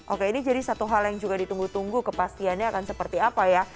oke ini jadi satu hal yang juga ditunggu tunggu kepastiannya akan seperti apa ya